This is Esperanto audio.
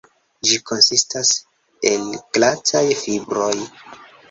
Ĝi konsistas el glataj fibroj.